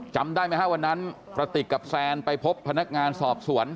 จำได้ไหมฮะวันนั้นกระติกกับแซนไปพบพนักงานสอบสวน